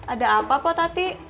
ada apa pak tati